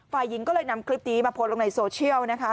ฝ่ายหญิงก็เลยนำคลิปนี้มาโพสต์ลงในโซเชียลนะคะ